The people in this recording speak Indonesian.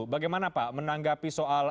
bagaimana menanggapi soal